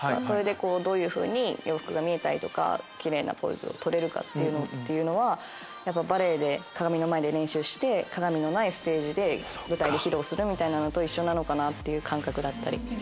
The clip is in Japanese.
それでこうどういうふうに洋服が見えたりとか奇麗なポーズを取れるかっていうのはやっぱバレエで鏡の前で練習して鏡のないステージで舞台で披露するみたいなのと一緒なのかなっていう感覚だったり。